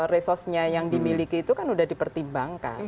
resosnya yang dimiliki itu kan sudah dipertimbangkan